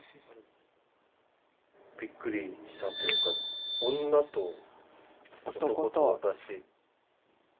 びっくりしたというか『女と男と私』。